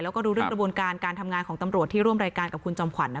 แล้วก็ดูเรื่องกระบวนการการทำงานของตำรวจที่ร่วมรายการกับคุณจอมขวัญ